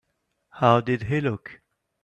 How did he look?